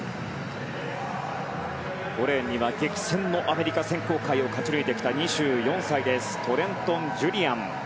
５レーンには激戦のアメリカ選考会を勝ち抜いてきた２４歳トレントン・ジュリアン。